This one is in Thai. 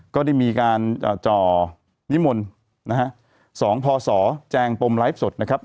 ก็ได้มีการจ่อนิมนต์นะฮะ๒พศแจงปมไลฟ์สดนะครับ